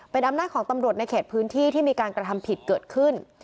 เป็นอำนาจของตำรวจในเขตพื้นที่ที่มีการกระทำผิดเกิดขึ้น